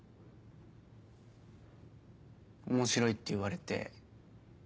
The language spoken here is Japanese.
面白いって言われて。